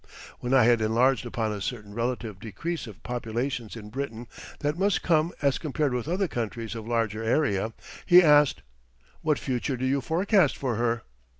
When I had enlarged upon a certain relative decrease of population in Britain that must come as compared with other countries of larger area, he asked: "What future do you forecast for her?"